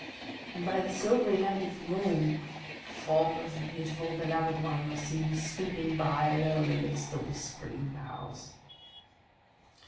And by the silvery light of the moon, the form of the beautiful beloved one was seen sweeping by alone amidst the whispering boughs."